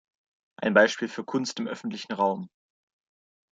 Ein Beispiel für Kunst im öffentlichen Raum.